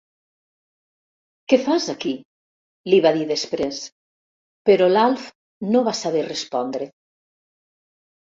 Què fas aquí? —li va dir després, però l'Alf no va saber respondre.